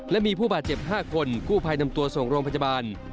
และมีผู้บาดเจ็บ๕คนกู้ภัยนำตัวส่งโรงพยาบาล